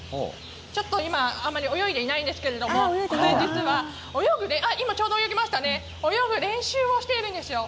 ちょっと今あまり泳いでいないんですがこれ実は今、ちょうど泳ぎましたね泳ぐ練習をしているんですよ。